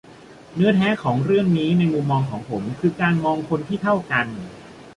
เนื้อแท้ของหนังเรื่องนี้ในมุมมองผมคือการมองคนที่เท่ากัน